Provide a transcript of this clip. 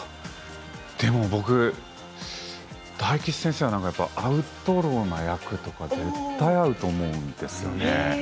でも僕大吉先生は何かアウトローな役絶対合うと思うんです。